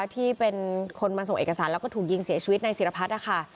ที่เป็นคนมาส่งเอกสารแล้วก็ถูกยิงเสียชีวิตในศิรพัฒน์นะคะ